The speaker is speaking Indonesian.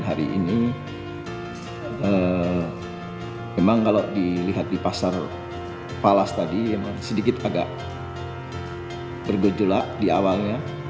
hari ini memang kalau dilihat di pasar falas tadi memang sedikit agak bergejolak di awalnya